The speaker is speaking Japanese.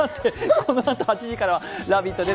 このあと８時からは「ラヴィット！」です。